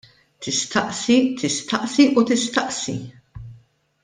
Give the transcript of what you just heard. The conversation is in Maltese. Tistaqsi, tistaqsi u tistaqsi!